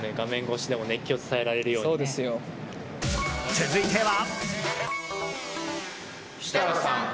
続いては。